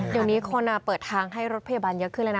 เดี๋ยวนี้โคนาเปิดทางให้รถพยาบาลเยอะขึ้นแล้วนะ